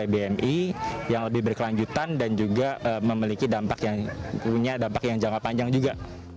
bmi yang lebih berkelanjutan dan juga memiliki dampak yang punya dampak yang jangka panjang juga